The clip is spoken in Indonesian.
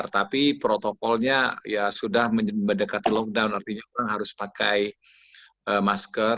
tapi protokolnya ya sudah mendekati lockdown artinya orang harus pakai masker